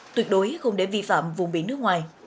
tuyệt đối không để vi phạm vùng biển nước ngoài